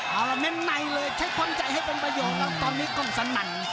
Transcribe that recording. เอาละเน้นในเลยใช้ความใจให้เป็นประโยชน์แล้วตอนนี้กล้องสนั่น